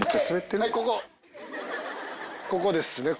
ここですね